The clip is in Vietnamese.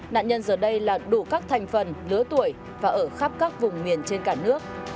nạn nhân giờ đây là đủ các thành phần lứa tuổi và ở khắp các vùng miền trên cả nước